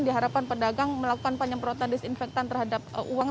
diharapkan pedagang melakukan penyemprotan disinfektan terhadap uang